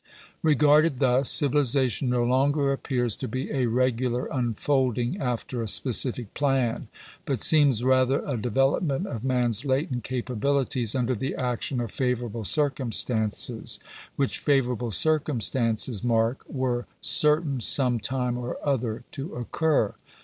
Regarded thus, civilization no longer appears to be a regular unfolding after a specific plan; but seems rather a develop «« ment of man's latent capabilities under the action of favourable circumstances ; which favourable circumstances, mark, were certain some time or other to occur.